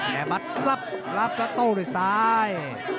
แขกบัดรับรับกระโต้ด้วยซ้าย